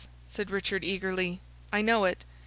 said Richard, eagerly, "I know it.